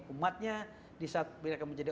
umatnya saat mereka menjadi